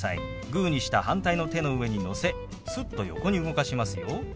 グーにした反対の手の上にのせすっと横に動かしますよ。